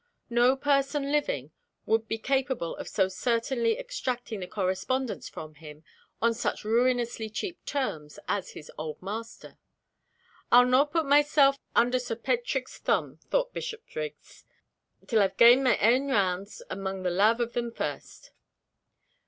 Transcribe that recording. No person living would be capable of so certainly extracting the correspondence from him, on such ruinously cheap terms as his old master. "I'll no' put myself under Sir Paitrick's thumb," thought Bishopriggs, "till I've gane my ain rounds among the lave o' them first."